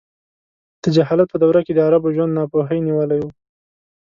د جهالت په دوره کې د عربو ژوند ناپوهۍ نیولی و.